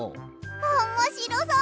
おもしろそう！